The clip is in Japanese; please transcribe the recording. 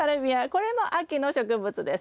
これも秋の植物です。